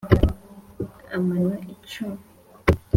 amano icumi